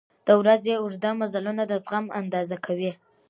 • د ورځې اوږده مزلونه د زغم اندازه کوي.